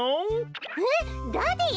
えっダディ？